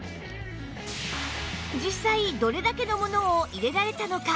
実際どれだけのものを入れられたのか？